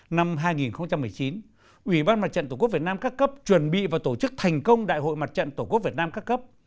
năm hai nghìn một mươi chín ủy ban mặt trận tổ quốc việt nam các cấp chuẩn bị và tổ chức thành công đại hội mặt trận tổ quốc việt nam các cấp